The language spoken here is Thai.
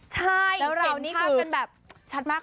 ใช่แล้วเรานี่คือแล้วเราเห็นภาพเป็นแบบชัดมาก